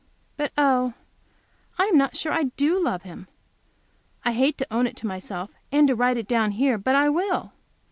But, oh, I am not sure I do love Him! I hate to own it to myself, and to write it down here, but I will.